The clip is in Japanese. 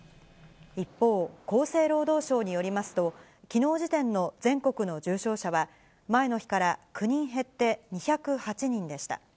一方、厚生労働省によりますと、きのう時点の全国の重症者は、前の日から９人減って２０８人でした。